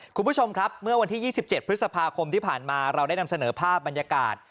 คุณผู้ชมครับเมื่อวันที่๒๗พฤษภาคมที่ผ่านมาเราได้นำเสนอภาพบรรยากาศ